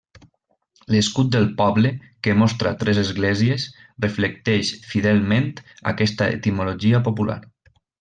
L'escut del poble, que mostra tres esglésies, reflecteix fidelment aquesta etimologia popular.